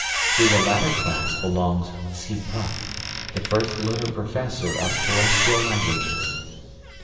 To the latter class belongs Tsi puff, the first lunar professor of terrestrial languages.